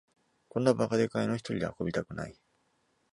こんなバカでかいのひとりで運びたくない